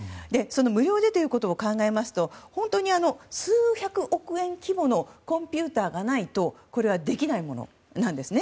無料でということを考えますと本当に数百億円規模のコンピューターがないとこれはできないものなんですね。